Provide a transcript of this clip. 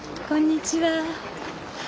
こんにちは。